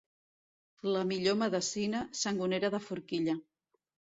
La millor medecina, sangonera de forquilla.